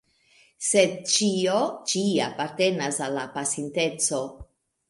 Sed ĉio ĉi apartenas al la pasinteco.